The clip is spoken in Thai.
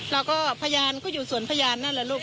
แล้วก็พยานก็อยู่สวนพยานนั่นแหละลูก